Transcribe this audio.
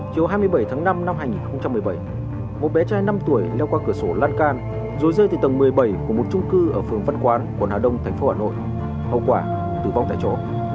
chiều hai mươi bảy tháng năm năm hai nghìn một mươi bảy một bé trai năm tuổi leo qua cửa sổ lan can rồi rơi từ tầng một mươi bảy của một trung cư ở phường văn quán quận hà đông tp hà nội hậu quả tử vong tại chỗ